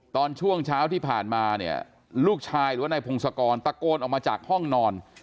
ตอนช่วงเช้าที่ผ่านมาเนี่ยลูกชายหรือว่านายพงศกรตะโกนออกมาจากห้องนอน